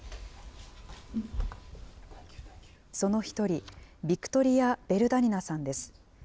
その１人、ビクトリア・ベルダニナさんです。